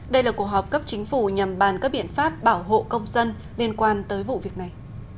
đây là cuộc họp cấp chính phủ nhằm bàn các biện pháp bảo hộ công dân liên quan tới vụ việc này